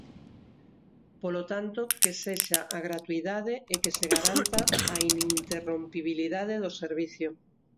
Polo tanto, que sexa a gratuidade e que se garanta a ininterrompibilidade do servizo.